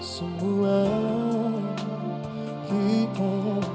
semua kita punya